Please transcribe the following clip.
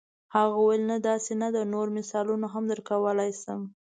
هغه وویل نه داسې نه ده نور مثالونه هم درکولای شم.